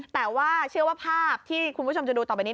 แต่ว่าเชื่อว่าภาพที่คุณผู้ชมจะดูต่อไปนี้